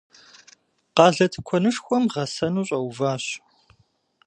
Къалэ тыкуэнышхуэм гъэсэну щӏэуващ.